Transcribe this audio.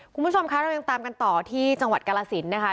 คุณผู้ชมคะเรายังตามกันต่อที่จังหวัดกาลสินนะคะ